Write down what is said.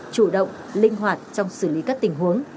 chủ động linh hoạt trong xử lý các tình huống